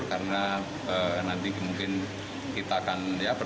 karena nanti mungkin kita akan ya